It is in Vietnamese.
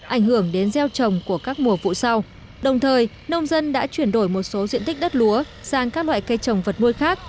ảnh hưởng đến gieo trồng của các mùa vụ sau đồng thời nông dân đã chuyển đổi một số diện tích đất lúa sang các loại cây trồng vật nuôi khác